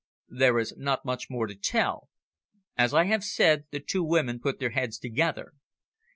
"There is not much more to tell. As I have said, the two women put their heads together.